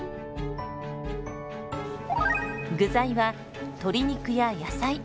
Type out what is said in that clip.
具材は鶏肉や野菜。